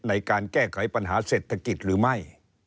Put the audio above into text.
ในการแก้ไขปัญหาเศรษฐกิจหรือไม่